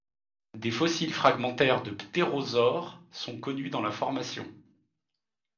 Des fossiles fragmentaires de ptérosaures sont connus dans la formation.